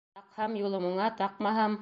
Таҡһам -юлым уңа, таҡмаһам...